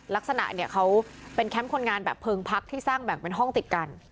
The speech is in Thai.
ลักษณะเนี่ยเขาเป็นแคมป์คนงานแบบเพลิงพักที่สร้างแบ่งเป็นห้องติดกัน